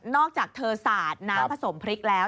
อกจากเธอสาดน้ำผสมพริกแล้ว